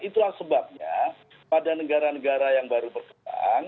itulah sebabnya pada negara negara yang baru berkembang